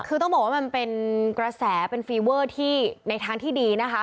คือต้องบอกว่ามันเป็นกระแสเป็นฟีเวอร์ที่ในทางที่ดีนะคะ